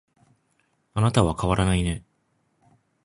あなたは変わらないね